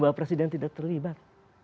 bahwa presiden tidak terlibat